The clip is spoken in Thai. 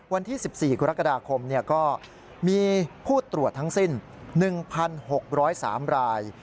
วันที่๑๔กรกฎาคมก็มีผู้ตรวจทั้งสิ้น๑๖๐๓ราย